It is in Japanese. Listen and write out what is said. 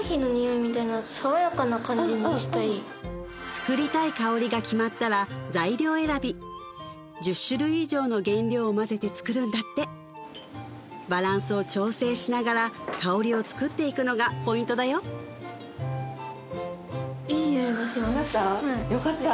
作りたい香りが決まったら材料選び１０種類以上の原料を混ぜて作るんだってバランスを調整しながら香りを作っていくのがポイントだよなった？